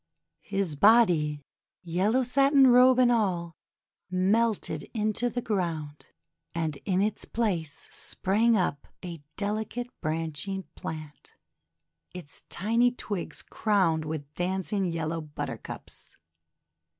His body, yellow satin robe and all, melted into the ground, and in its place sprang up a delicate branching plant, its tiny twigs crowned with dancing yellow Buttercups.